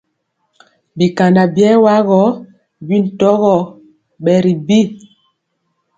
Bi kanda biewa gɔ bi ntoŋgɔ bɛ ri bi.